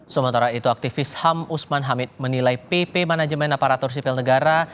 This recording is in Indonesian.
sementara itu aktivis ham usman hamid menilai pp manajemen aparatur sipil negara